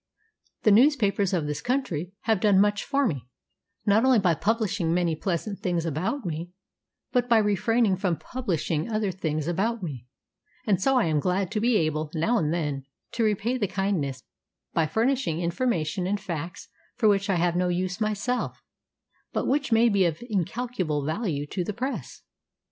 The newspapers of this country have done much for me, not only by publishing many pleasant things about me, but by refraining from publishing other things about me, and so I am glad to be able, now and then, to repay this kindness by furnishing information and facts for which I have no use myself, but which may be of incalculable value to the press.